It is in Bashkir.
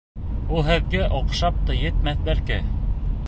Ул һеҙгә оҡшап та етмәҫ, бәлки.